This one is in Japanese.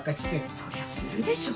そりゃするでしょ！